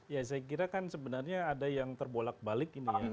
ya saya kira kan sebenarnya ada yang terbolak balik ini ya